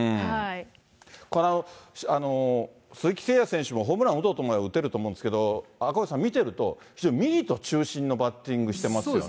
この鈴木誠也選手もホームラン打とうと思えば打てると思うんですけど、赤星さん、見てると、非常にミート中心のバッティングしてますよね。